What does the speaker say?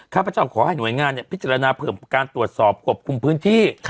ข้าพเจ้าขอให้หน่วยงานพิจารณาเพิ่มการตรวจสอบควบคุมพื้นที่